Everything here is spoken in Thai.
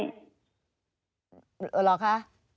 เหรอคะ